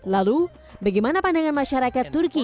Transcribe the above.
lalu bagaimana pandangan masyarakat turki